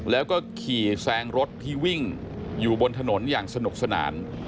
แล้วก็ขี่แซงรถที่วิ่งอยู่บนถนนอย่างสนุกสนาน